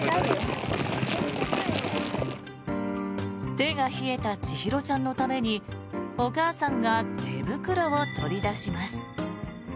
手が冷えた千尋ちゃんのためにお母さんが手袋を取り出します。